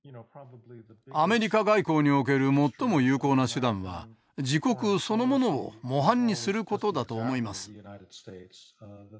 アメリカ外交における最も有効な手段は自国そのものを模範にすることだと思います。